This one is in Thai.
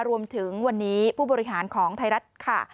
รวมถึงวันนี้ผู้บริหารของไทยรัฐค่ะ